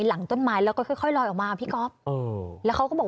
หลังต้นไม้แล้วก็ค่อยค่อยลอยออกมาพี่ก๊อฟเออแล้วเขาก็บอก